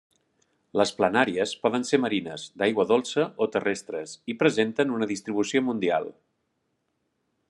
Les planàries poden ser marines, d'aigua dolça o terrestres i presenten una distribució mundial.